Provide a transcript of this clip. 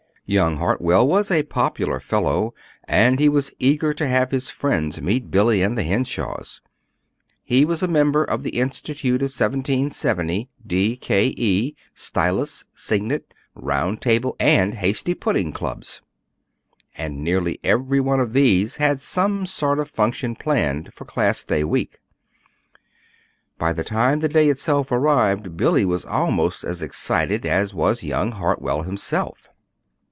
Young Hartwell was a popular fellow, and he was eager to have his friends meet Billy and the Henshaws. He was a member of the Institute of 1770, D. K. E., Stylus, Signet, Round Table, and Hasty Pudding Clubs, and nearly every one of these had some sort of function planned for Class Day week. By the time the day itself arrived Billy was almost as excited as was young Hartwell himself.